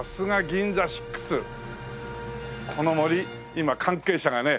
今関係者がね